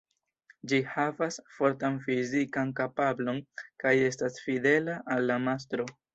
Ĝi havas fortan fizikan kapablon kaj estas fidela al la mastro.